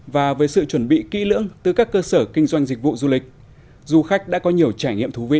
và với sự chuẩn bị kỹ lưỡng từ các cơ sở kinh doanh dịch vụ du lịch du khách đã có nhiều trải nghiệm thú vị